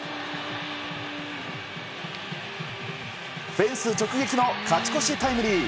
フェンス直撃の勝ち越しタイムリー。